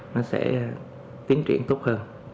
nó sẽ tiến triển tốt hơn